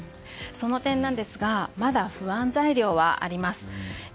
その点なんですがまだ不安材料はあります。